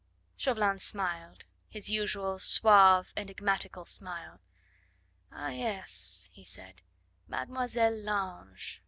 Chauvelin smiled, his usual suave, enigmatical smile. "Ah, yes!" he said. "Mademoiselle Lange.